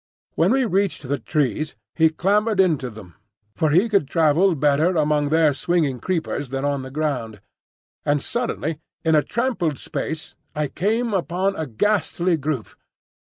When we reached the trees he clambered into them, for he could travel better among their swinging creepers than on the ground. And suddenly in a trampled space I came upon a ghastly group.